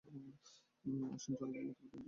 আসুন জনগণের মতামত জেনে নিই।